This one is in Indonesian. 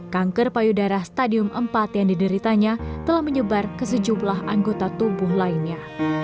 kanker payudara stadium empat yang dideritanya telah menyebar ke sejumlah anggota tubuh lainnya